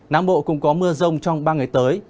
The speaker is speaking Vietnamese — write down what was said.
nắng bộ cũng có mưa rông trong ba ngày tới